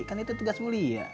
kan itu tugas mulia